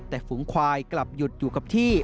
แต่ฝูงควายกลับหยุดอยู่กับที่